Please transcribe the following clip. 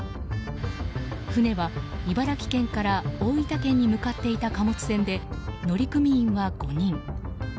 船は茨城県から大分県に向かっていた貨物船で乗組員は５人。